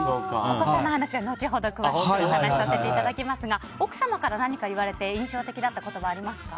お子さんの話は後ほど詳しくお話しさせていただきますが奥様から何か言われて印象的だった言葉、ありますか？